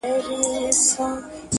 وه ه ژوند به يې تياره نه وي.